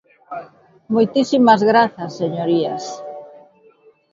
Moitísimas grazas, señorías.